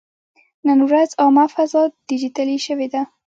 نن ورځ عامه فضا ډیجیټلي شوې ده.